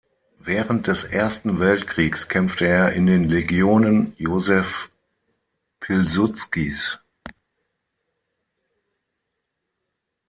Während des Ersten Weltkriegs kämpfte er in den Legionen Józef Piłsudskis.